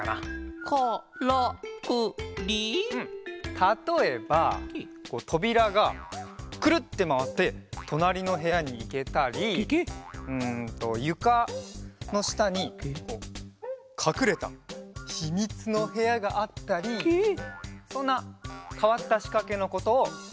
たとえばとびらがくるってまわってとなりのへやにいけたりうんとゆかのしたにかくれたひみつのへやがあったりそんなかわったしかけのことをカラクリっていうんだよ。